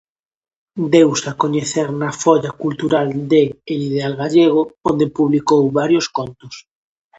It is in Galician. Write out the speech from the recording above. Deuse a coñecer na folla cultural de "El Ideal Gallego", onde publicou varios contos.